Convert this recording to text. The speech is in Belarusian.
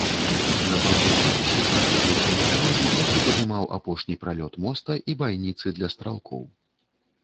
На другім ярусе знаходзіўся механізм, які падымаў апошні пралёт моста, і байніцы для стралкоў.